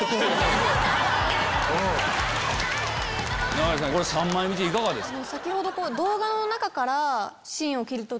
長屋さん３枚見ていかがですか？